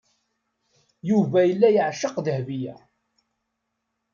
Yuba yella yeɛceq Dahbiya.